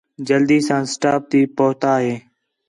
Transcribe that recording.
جلدی ساں سٹاپ تی پُہتا ہیں